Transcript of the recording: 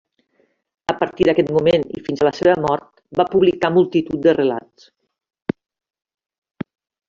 A partir d'aquest moment i fins a la seva mort va publicar multitud de relats.